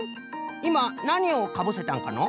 いまなにをかぶせたんかの？